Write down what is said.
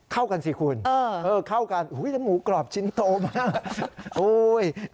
เข้ากันสิคุณเออเออเข้ากันอุ้ยแต่หมูกรอบชิ้นโตมากอุ้ย